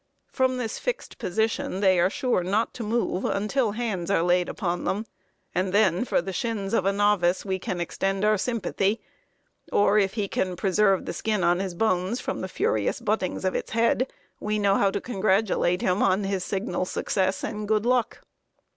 From this fixed position they are sure not to move until hands are laid upon them, and then for the shins of a novice we can extend our sympathy; or if he can preserve the skin on his bones from the furious buttings of its head, we know how to congratulate him on his signal success and good luck.